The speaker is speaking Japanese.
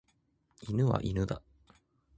犬は犬だ。